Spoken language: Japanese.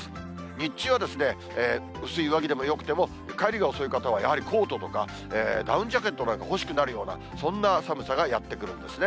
日中は、薄い上着でもよくても、帰りが遅い方は、やはりコートとか、ダウンジャケットなんか欲しくなるような、そんな寒さがやって来るんですね。